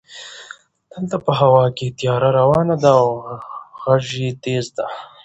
دلته په هوا کې طیاره روانه ده او غژ یې تېز ده.